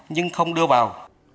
nhưng không đưa vào